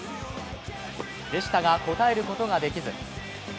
でしたが、応えることが出来ず。